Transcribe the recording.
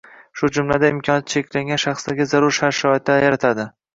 shu jumladan imkoniyati cheklangan shaxslarga zarur shart-sharoitlar yaratadi;